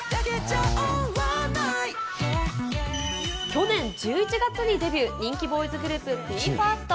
去年１１月にデビュー、人気ボーイズグループ、ＢＥ：ＦＩＲＳＴ。